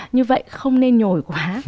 như vậy không nên nhồi quá